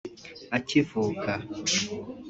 akivuka